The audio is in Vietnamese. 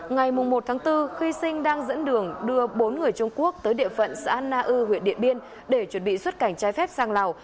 ngày một tháng bốn khi sinh đang dẫn đường đưa bốn người trung quốc tới địa phận xã na ư huyện điện biên để chuẩn bị xuất cảnh trái phép sang lào